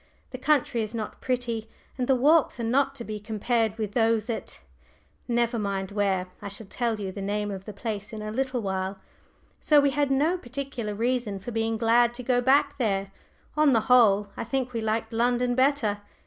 The country is not pretty, and the walks are not to be compared with those at never mind where; I shall tell you the name of the place in a little while. So we had no particular reason for being glad to go back there; on the whole, I think we liked London better.